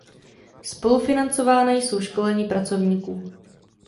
Spolufinancována jsou školení pracovníků.